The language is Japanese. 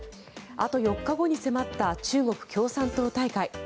あと４日後に迫った中国共産党大会。